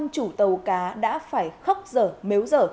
năm chủ tàu cá đã phải khóc dở méo dở